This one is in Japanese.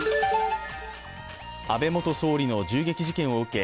安倍元総理の銃撃事件を受け